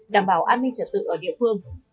đảm bảo an ninh trật tự ở địa phương